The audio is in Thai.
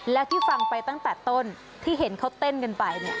และที่ฟังไปตั้งแต่ต้นที่เห็นเขาเต้นกันไปเนี่ย